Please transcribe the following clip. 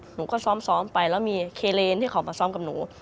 หนูก็ซ้อมไปแล้วมีเคเลนที่เขามาซ้อมกับหนู